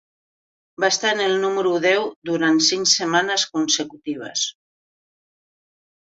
Va estar en el número deu durant cinc setmanes consecutives.